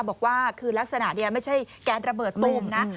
บอกว่าคือลักษณะนี้ไม่ใช่แก๊สระเบิดตูมนะ